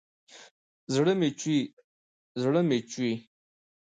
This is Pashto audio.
زړه مې چوي ، زړه مې چوي